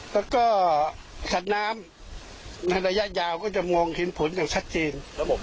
แล้วก็ฉันน้ำระยะยาวก็จะมงเห็นผลอย่างชัดจริง